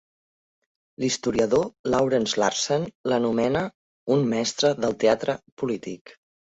L'historiador Lawrence Larsen l'anomena "un mestre del teatre polític".